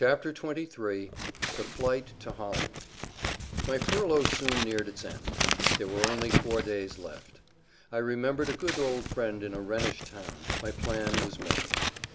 [Pg 183] XXIII THE FLIGHT TO HOLLAND My furlough soon neared its end; there were only four days left. I remembered a good old friend in a Rhenish town. My plan was made.